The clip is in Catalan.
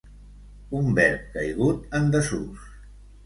Un verb caigut en desús.